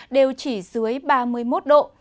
đều chỉ dưới ba mươi một độ